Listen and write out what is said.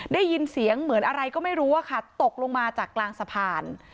ได้ยินเสียงเหมือนอะไรก็ไม่รู้อะค่ะตกลงมาจากกลางสะพาน